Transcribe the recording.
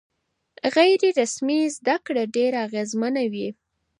غیر رسمي زده کړه ډېره اغېزمنه وي.